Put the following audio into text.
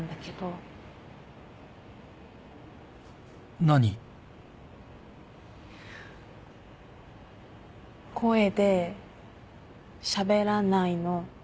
声でしゃべらないの何で？